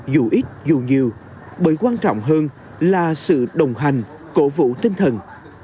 dù ít dù nhiều bởi quan trọng hơn là sự đồng hành cổ vũ tinh thần